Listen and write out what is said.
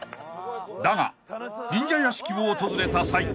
［だが忍者屋敷を訪れた際］